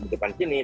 di depan sini